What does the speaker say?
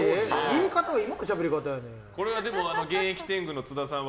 でも、現役天狗の津田さんは。